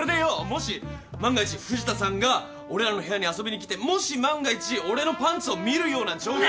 もし万が一藤田さんが俺らの部屋に遊びに来てもし万が一俺のパンツを見るような状況に。